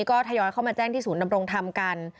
ก็ทยอยเข้ามาแจ้งที่ศูนย์ดำรงธรรมกัน